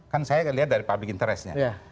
kan saya lihat dari public interest nya